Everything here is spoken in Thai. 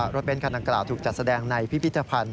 รถเบ้นคันดังกล่าวถูกจัดแสดงในพิพิธภัณฑ์